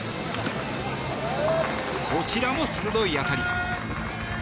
こちらも鋭い当たり。